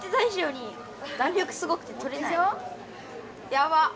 やばっ。